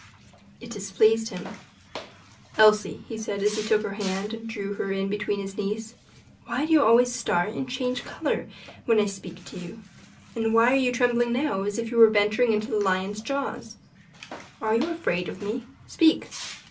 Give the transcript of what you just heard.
It displeased him. "Elsie," he said, as he took her hand and drew her in between his knees, "why do you always start and change color when I speak to you? and why are you trembling now as if you were venturing into the lion's jaws? are you afraid of me? speak!"